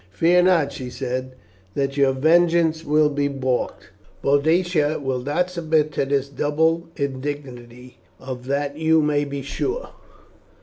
"Fear not," she said, "that your vengeance will be baulked. Boadicea will not submit to this double indignity, of that you maybe sure.